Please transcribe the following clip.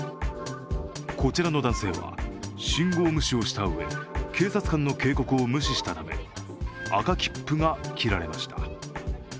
こちらの男性は信号無視をしたうえ警察官の警告を無視したため、赤切符が切られました。